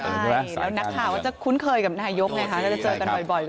นักข่าวแต่จะคุ้นเคยกับนายยก